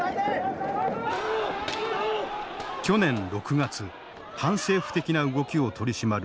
去年６月反政府的な動きを取り締まる